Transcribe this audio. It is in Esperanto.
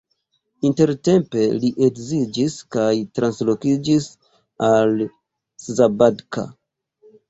Intertempe li edziĝis kaj translokiĝis al Szabadka.